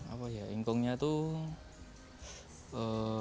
apa ya ingkungnya tuh